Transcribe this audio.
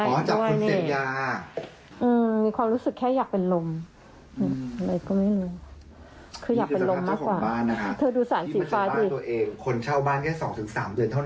น่าจะเป็นแบบเสพยา